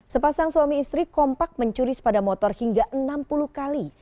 sepasang suami istri kompak mencuri sepeda motor hingga enam puluh kali